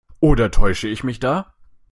Oder täusche ich mich da?